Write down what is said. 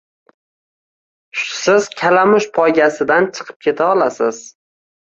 Siz kalamush poygasidan chiqib keta olasiz